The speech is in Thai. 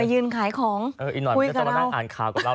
มายืนขายของคุยกับเรา